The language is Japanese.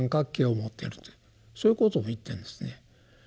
そういうことも言ってるんですね。